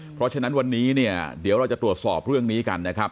เพราะฉะนั้นวันนี้เนี่ยเดี๋ยวเราจะตรวจสอบเรื่องนี้กันนะครับ